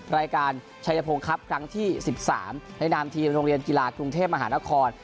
รายการชัยพงศ์ครับครั้งที่๑๓ในนามทีมโรงเรียนกีฬากรุงเทพมหานคร